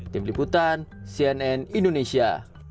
tim liputan cnn indonesia